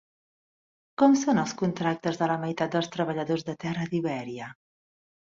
Com són els contractes de la meitat dels treballadors de terra d'Ibèria?